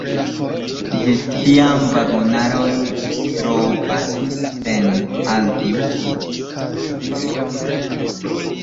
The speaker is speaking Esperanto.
Ĝis tiam, vagonaroj trapasis sen halti.